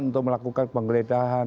untuk melakukan penggeledahan